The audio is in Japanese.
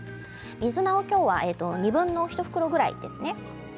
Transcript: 水菜は２分の１袋ぐらいですね。